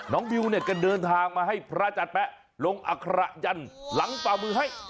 น้องบิ๊วเนี่ยก็เดินทางมาให้พระจัตรแปะลงอัคระยันตร์หลังป่ามือให้